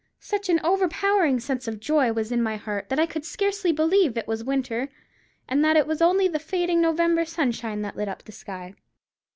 Such an overpowering sense of joy was in my heart, that I could scarcely believe it was winter, and that it was only the fading November sunshine that lit up the sky.